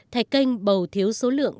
thay kênh bầu thiếu số lượng